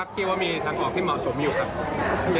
คิดว่ามีทางออกที่เหมาะสมอยู่ครับ